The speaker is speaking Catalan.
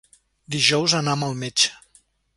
Dijous anam al metge.